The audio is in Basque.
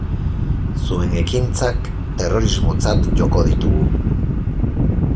Zuen ekintzak terrorismotzat joko ditugu.